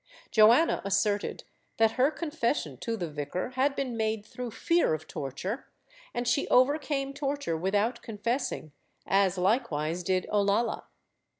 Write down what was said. Joana asserted that her con fession to the vicar had been made through fear of torture and she overcame torture without confessing, as likewise did Olalla.